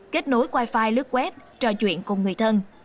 kết nối wifi lướt web trò chuyện cùng người thân